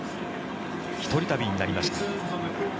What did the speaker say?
１人旅になりました。